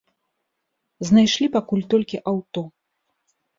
Знайшлі пакуль толькі аўто.